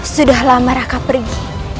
sudah lama raka pergi